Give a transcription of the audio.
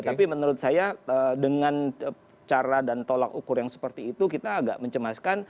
tapi menurut saya dengan cara dan tolak ukur yang seperti itu kita agak mencemaskan